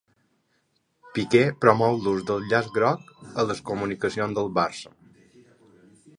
Piqué promou l'ús del llaç groc en les comunicacions del Barça